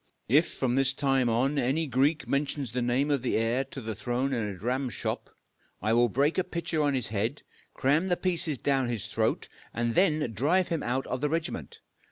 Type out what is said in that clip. If, from this time on, any Greek mentions the name of the heir to the throne in a dramshop, I will break a pitcher on his head, cram the pieces down his throat, and then drive him out of the regiment!